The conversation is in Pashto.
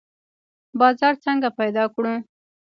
بازار څنګه پیدا کړو؟